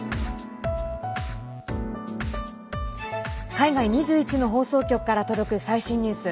海外２１の放送局から届く最新ニュース。